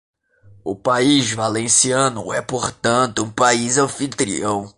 O país valenciano é, portanto, um país anfitrião.